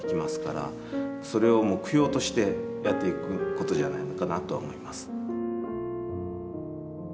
それを目標としてやっていくことじゃないのかなとは思います。